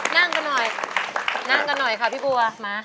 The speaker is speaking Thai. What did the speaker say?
นั่งกันหน่อยพี่บัว